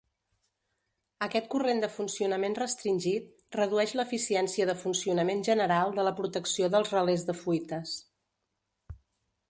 Aquest corrent de funcionament restringit redueix l'eficiència de funcionament general de la protecció dels relés de fuites.